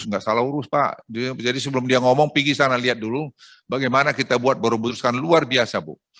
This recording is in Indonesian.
nggak salah urus pak jadi sebelum dia ngomong pergi sana lihat dulu bagaimana kita buat baru memutuskan luar biasa bu